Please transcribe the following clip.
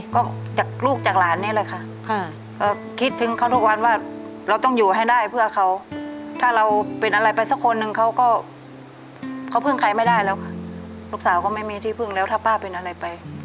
ก็จากลูกจากหลานนี่แหละค่ะก็คิดถึงเขาทุกวันว่าเราต้องอยู่ให้ได้เพื่อเขาถ้าเราเป็นอะไรไปสักคนนึงเขาก็เขาพึ่งใครไม่ได้แล้วค่ะลูกสาวก็ไม่มีที่พึ่งแล้วถ้าป้าเป็นอะไรไป